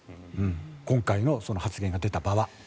今回の発言が出た場は。